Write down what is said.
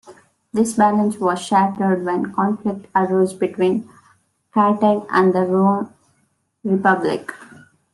This balance was shattered when conflict arose between Carthage and the Roman Republic.